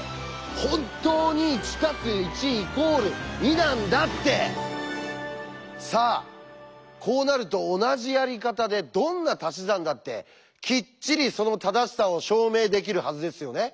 本当に「１＋１＝２」なんだって！さあこうなると同じやり方でどんな「たし算」だってきっちりその正しさを証明できるはずですよね？